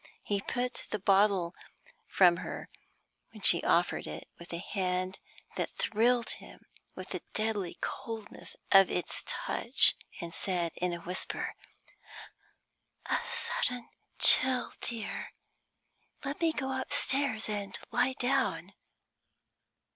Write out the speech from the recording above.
She put the bottle from her, when he offered it, with a hand that thrilled him with the deadly coldness of its touch, and said, in a whisper: "A sudden chill, dear let me go upstairs and lie down."